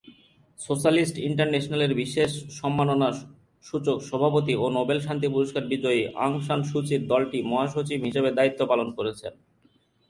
Socialist ইন্টারন্যাশনালের বিশেষ সম্মানসূচক সভাপতি ও নোবেল শান্তি পুরস্কার বিজয়ী অং সান সু চি দলটির মহাসচিব হিসেবে দায়িত্ব পালন করছেন।